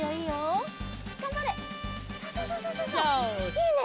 いいね！